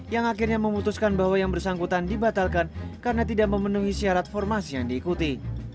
yang akhirnya memutuskan bahwa yang bersangkutan dibatalkan karena tidak memenuhi syarat formasi yang diikuti